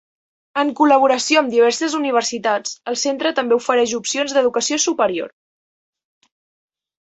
En col·laboració amb diverses universitats, el centre també ofereix opcions d'educació superior.